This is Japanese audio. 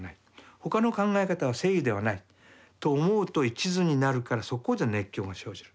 他の考え方は正義ではないと思うと一途になるからそこで熱狂が生じる。